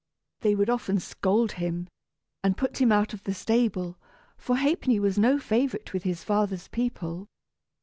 They would often scold him, and put him out of the stable, for Ha'penny was no favorite with his father's people.